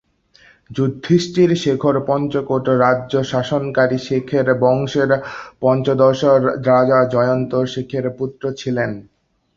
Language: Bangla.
যুধিষ্ঠির শেখর পঞ্চকোট রাজ্য শাসনকারী শেখর রাজবংশের পঞ্চদশ রাজা জয়ন্ত শেখরের পুত্র ছিলেন।